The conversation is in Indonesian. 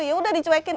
ya udah dicuekin